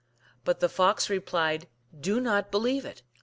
But the Fox replied, " Do not believe it."